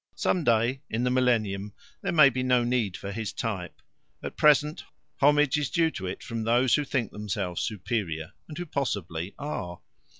Some day in the millennium there may be no need for his type. At present, homage is due to it from those who think themselves superior, and who possibly are."